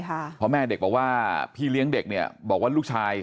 เพราะแม่เด็กบอกว่าพี่เลี้ยงเด็กเนี่ยบอกว่าลูกชาย